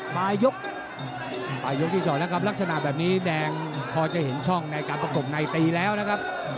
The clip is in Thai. ปลายยกปลายยกที่สองนะครับลักษณะแบบนี้แดงพอจะเห็นช่องในการประกบในตีแล้วนะครับ